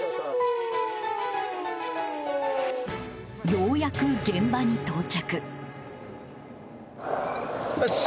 ようやく現場に到着。